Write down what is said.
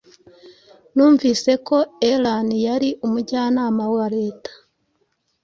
Numvise ko Elan yari umujyanama wareta